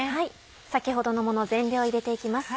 先ほどのもの全量入れて行きます。